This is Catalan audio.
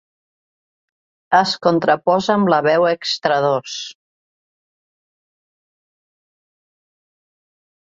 Es contraposa amb la veu extradós.